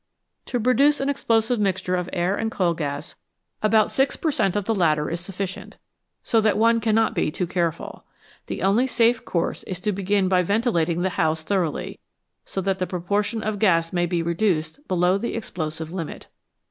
To produce an explosive mixture of air and coal gas about 6 per cent, of the latter is sufficient, so that one cannot be too care ful. The only safe course is to begin by ventilating the house thoroughly, so that the proportion of gas may be reduced below the explosive limit.